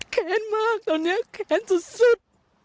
แขนมากตอนเนี้ยแขนสุดสุด